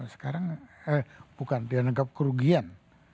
sekarang bukan dianggap kerugian